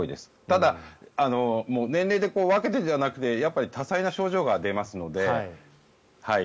ただ、年齢で分けてじゃなくて多彩な症状が出ますので。